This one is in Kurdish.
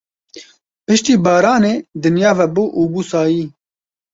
Piştî baranê dinya vebû û bû sayî.